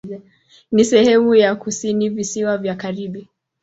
Ni sehemu ya kusini Visiwa vya Karibi.